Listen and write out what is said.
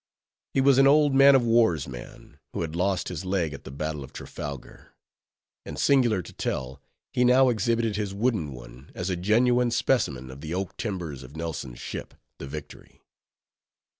He was an old man of war's man, who had lost his leg at the battle of Trafalgar; and singular to tell, he now exhibited his wooden one as a genuine specimen of the oak timbers of Nelson's ship, the Victory.